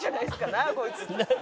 なんやこいつって。